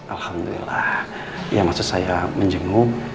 alhamdulillah ya maksud saya menjenguk